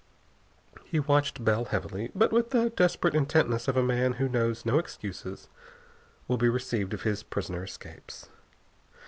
He watched Bell heavily, but with the desperate intentness of a man who knows no excuses will be received if his prisoner escapes.